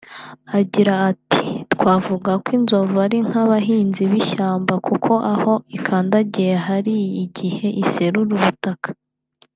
Agira ati “Twavuga ko inzovu ari nk’abahinzi b’ishyamba kuko aho ikandagiye hari igihe iserura ubutaka